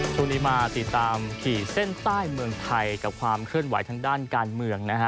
ช่วงนี้มาติดตามขีดเส้นใต้เมืองไทยกับความเคลื่อนไหวทางด้านการเมืองนะฮะ